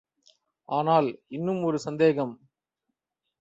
ஆனால் இன்னும் ஒரு சந்தேகம்.